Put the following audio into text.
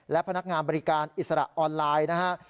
และพนักงานบริการอิสระออนไลน์นะฮะ